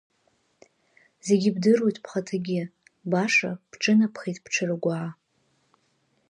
Зегьы бдыруеит бхаҭагьы, баша бҿынабхеит бҽыргәаа…